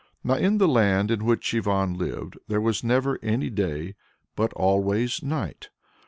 Now in the land in which Ivan lived there was never any day, but always night.